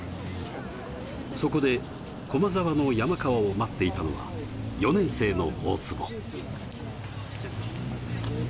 そこで、駒澤の山川を待っていたのは、４年生の大坪。